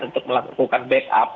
untuk melakukan backup